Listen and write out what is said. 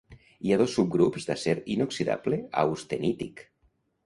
Hi ha dos subgrups d'acer inoxidable austenític.